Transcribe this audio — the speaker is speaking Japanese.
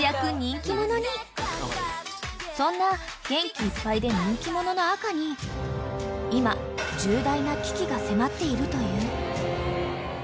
［そんな元気いっぱいで人気者の赤に今重大な危機が迫っているという］